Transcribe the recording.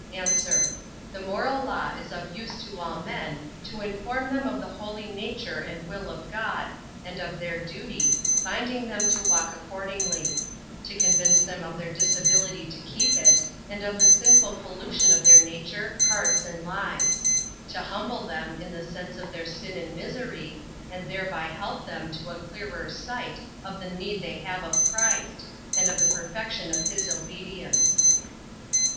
A. The moral law is of use to all men, to inform them of the holy nature and will of God, and of their duty, binding them to walk accordingly; to convince them of their disability to keep it, and of the sinful pollution of their nature, hearts, and lives: to humble them in the sense of their sin and misery, and thereby help them to a clearer sight of the need they have of Christ, and of the perfection of his obedience.